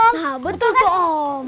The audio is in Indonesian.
nah betul kok om